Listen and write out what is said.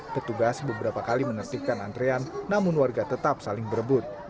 petugas beberapa kali menertibkan antrean namun warga tetap saling berebut